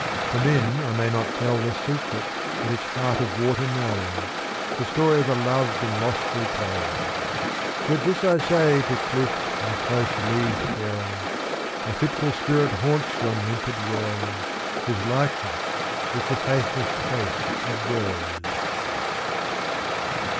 To men I may not tell The secret that its heart of water knows, The story of a loved and lost repose; Yet this I say to cliff and close leaved dell: A fitful spirit haunts yon limpid well, Whose likeness is the faithless face of Rose.